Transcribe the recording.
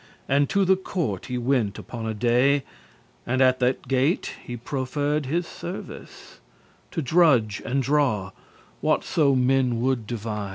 *nearest <24> And to the court he went upon a day, And at the gate he proffer'd his service, To drudge and draw, what so men would devise*.